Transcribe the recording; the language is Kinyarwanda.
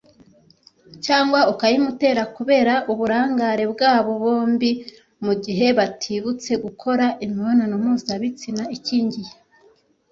cyangwa ukayimutera kubera uburangare bwabo bombi mu gihe batibutse gukora imibonano mpuzabitsina ikingiye